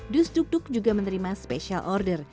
dus duk duk juga menerima special order